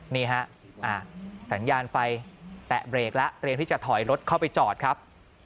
นี่ฮะสัญญาณไฟแตะเบรกแล้วเตรียมที่จะถอยรถเข้าไปจอดครับ